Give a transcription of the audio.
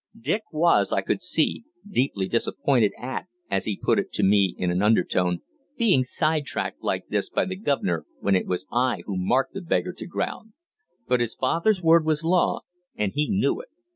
Dick was, I could see, deeply disappointed at, as he put it to me in an undertone, "being side tracked like this by the guv'nor when it was I who marked the beggar to ground "; but his father's word was law, and he knew it.